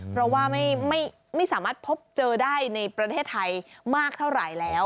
เพราะว่าไม่สามารถพบเจอได้ในประเทศไทยมากเท่าไหร่แล้ว